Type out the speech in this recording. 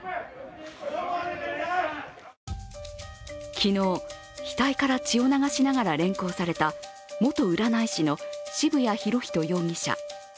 昨日、額から血を流しながら連行された元占い師の渋谷博仁容疑者。